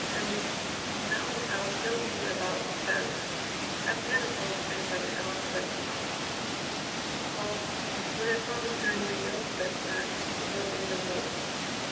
... And now I'll tell you about Sally. I've never told anybody else but Ivan. *'WeIl, when I found her in New York, that time, it was in the morgue.